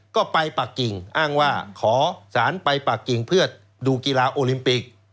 ก็ไปปากกิ่งอ้างว่าขอสารไปปากกิ่งเพื่อดูกีฬาโอลิมปิก